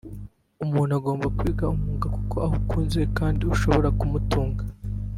umuntu agomba kwiga umwuga kuko awukunze kandi ushobora kumutunga”